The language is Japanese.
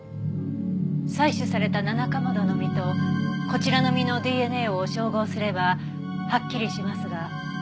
採取されたナナカマドの実とこちらの実のＤＮＡを照合すればはっきりしますが。